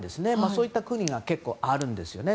そういった国が結構あるんですよね。